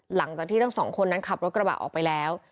หลังจากที่ทั้งสองคนนั้นขับรถกระบะออกไปแล้ว